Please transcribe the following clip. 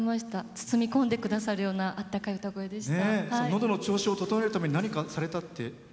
包み込んでくださるようなあったかい歌声でした。